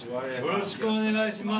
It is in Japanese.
よろしくお願いします。